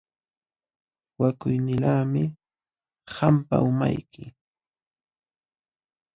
Wakuynilaqmi qampa umayki.